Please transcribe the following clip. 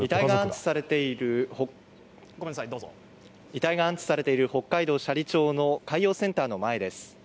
遺体が安置されている北海道斜里町の海洋センターの前です。